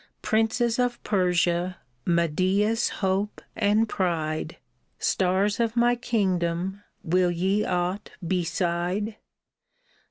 Princes of Persia, Media's hope and pride, Stars of my kingdom, will ye aught beside